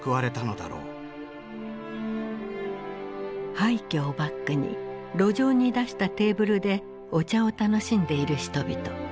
廃虚をバックに路上に出したテーブルでお茶を楽しんでいる人々。